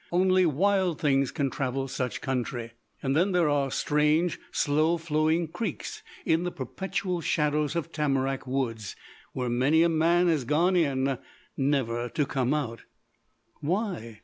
Only wild things can travel such country. "Then there are strange, slow flowing creeks in the perpetual shadows of tamarack woods, where many a man has gone in never to come out." "Why?"